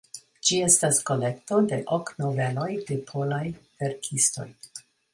Ĝi estas kolekto de ok noveloj de polaj verkistoj.